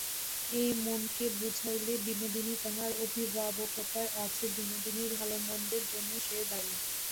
সে মনকে বুঝাইল–বিনোদিনী তাহার অভিভাবকতায় আছে, বিনোদিনীর ভালোমন্দের জন্য সে দায়ী।